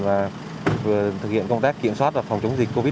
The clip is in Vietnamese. và vừa thực hiện công tác kiểm soát và phòng chống dịch covid một mươi